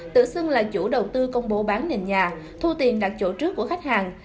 tự xưng là chủ đầu tư công bố bán nền nhà thu tiền đặt chỗ trước của khách hàng